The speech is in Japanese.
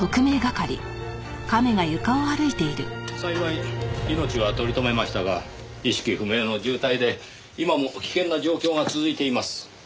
幸い命は取り留めましたが意識不明の重体で今も危険な状況が続いています。